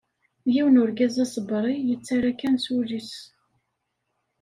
D yiwen n urgaz asebri, yettarra kan s ul-is.